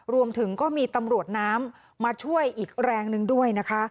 รวมถึงก็มีตำรวจน้ำมาช่วยอีกแรงนึงด้วยนะคะ